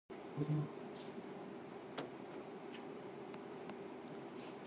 處理槍械方式相當可能危害他人